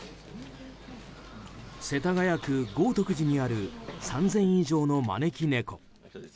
世田谷区豪徳寺にある３０００以上の招き猫。